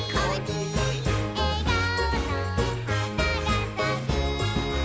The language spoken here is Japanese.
「えがおの花がさく」